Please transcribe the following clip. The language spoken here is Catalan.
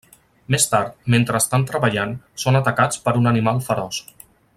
Més tard, mentre estan treballant, són atacats per un animal feroç.